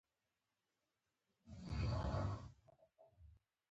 احمد په من جوارو نه اخلم.